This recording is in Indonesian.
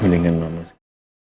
gelingin mama sih